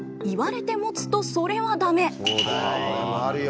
これもあるよ。